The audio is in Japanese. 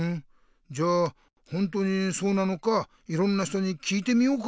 じゃあほんとにそうなのかいろんな人に聞いてみようか。